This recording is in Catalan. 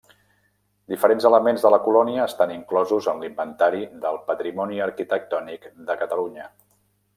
Diferents elements de la colònia estan inclosos en l'Inventari del Patrimoni Arquitectònic de Catalunya.